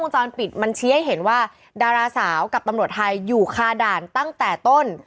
จรปิดมันชี้ให้เห็นว่าดาราสาวกับตำรวจไทยอยู่คาด่านตั้งแต่ต้น